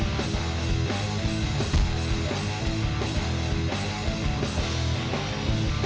kita jalan ke dondong